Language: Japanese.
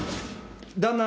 旦那